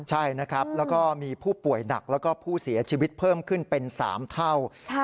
ใช่นะครับแล้วก็มีผู้ป่วยหนักแล้วก็ผู้เสียชีวิตเพิ่มขึ้นเป็น๓เท่า